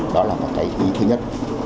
đó là một cái ý thứ nhất